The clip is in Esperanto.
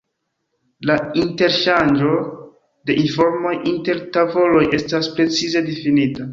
La interŝanĝo de informoj inter tavoloj estas precize difinita.